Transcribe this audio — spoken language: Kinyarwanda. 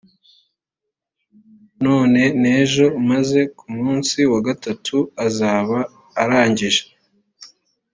none n ejo maze ku munsi wa gatatu azaba arangije